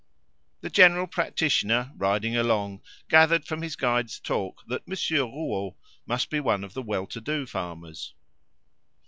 The general practitioner, riding along, gathered from his guide's talk that Monsieur Rouault must be one of the well to do farmers.